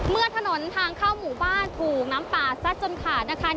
เมื่อถนนทางเข้าหมู่บ้านถูกน้ำป่าซัดจนขาดนะคะ